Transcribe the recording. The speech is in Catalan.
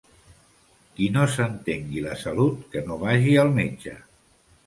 Qui no s'entengui la salut que no vagi al metge.